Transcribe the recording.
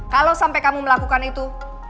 kalau sampai kamu melakukan itu